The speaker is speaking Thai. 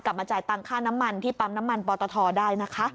มาจ่ายตังค่าน้ำมันที่ปั๊มน้ำมันปอตทได้นะคะ